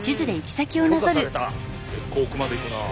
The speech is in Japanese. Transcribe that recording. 結構奥まで行くなあ。